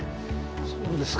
そうですか。